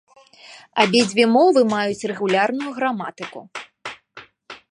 Абедзве мовы маюць рэгулярную граматыку.